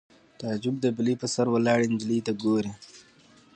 تعجب د بلۍ په سر ولاړې نجلۍ ته ګوري